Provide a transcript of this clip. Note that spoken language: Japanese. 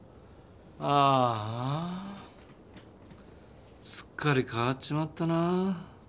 ああすっかり変わっちまったな。